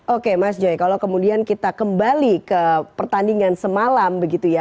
oke mas joy kalau kemudian kita kembali ke pertandingan semalam begitu ya